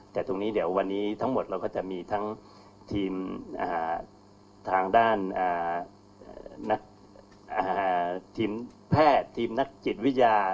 แต่ตรวจที่เราจะมีทางด้านทีมแพทย์ทีมนักจิตวิจารณ์